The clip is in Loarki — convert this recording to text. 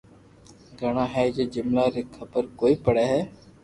گھِڙا ھي جي جملئ ري خبر ڪوئي پڙي ھي